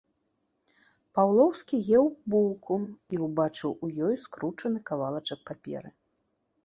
Паўлоўскі еў булку і ўбачыў у ёй скручаны кавалачак паперы.